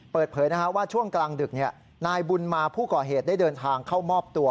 เปิดเผยว่าช่วงกลางดึกนายบุญมาผู้ก่อเหตุได้เดินทางเข้ามอบตัว